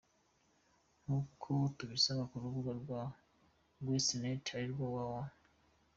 Nk’uko tubisanga ku rubuga rwa Quest net arirwo www.